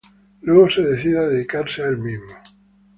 Luego se decide a dedicarse a el mismo.